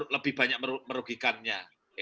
lebih banyak merugikannya